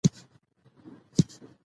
تاریخ سره مینه د وطن مینه ده.